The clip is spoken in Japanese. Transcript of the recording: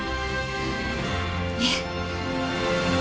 いえ。